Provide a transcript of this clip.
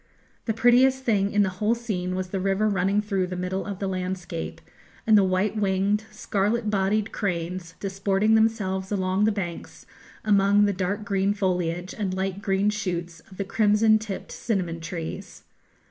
The prettiest thing in the whole scene was the river running through the middle of the landscape, and the white winged, scarlet bodied cranes, disporting themselves along the banks among the dark green foliage and light green shoots of the crimson tipped cinnamon trees.